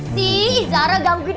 tidak ada bahaya